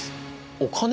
お金？